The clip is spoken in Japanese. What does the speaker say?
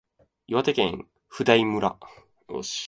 岩手県普代村